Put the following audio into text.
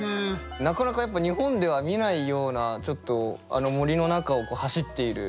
なかなか日本では見ないような森の中を走っている。